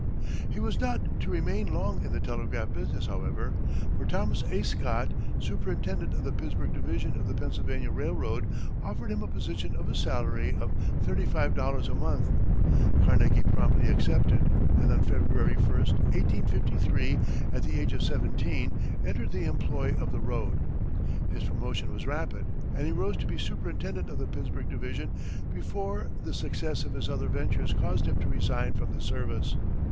He was not to remain long in the telegraph business, however, for Thomas A. Scott, superintendent of the Pittsburgh division of the Pennsylvania Railroad, offered him a position at a salary of $35 a month. Carnegie promptly accepted, and on February 1, 1853, at the age of seventeen, entered the employ of the road. His promotion was rapid, and he rose to be superintendent of the Pittsburgh division before the success of his other ventures caused him to resign from the service.